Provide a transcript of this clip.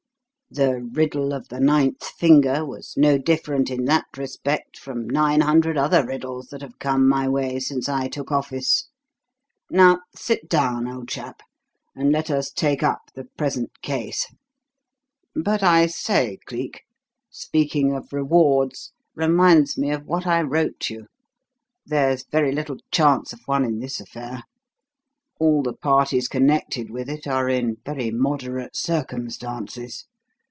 "'The riddle of the ninth finger' was no different in that respect from nine hundred other riddles that have come my way since I took office. Now sit down, old chap, and let us take up the present case. But I say, Cleek; speaking of rewards reminds me of what I wrote you. There's very little chance of one in this affair. All the parties connected with it are in very moderate circumstances.